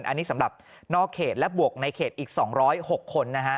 อันนี้สำหรับนอกเขตและบวกในเขตอีก๒๐๖คนนะฮะ